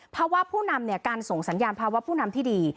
ภาวะผู้นำเนี่ยการส่งสัญญาณภาวะผู้นำที่ดี